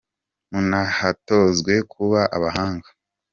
Munahatozwe kuba abahanga